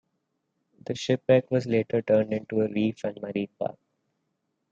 The shipwreck was later turned into a reef and Marine park.